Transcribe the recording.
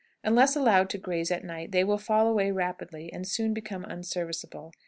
Unless allowed to graze at night they will fall away rapidly, and soon become unserviceable.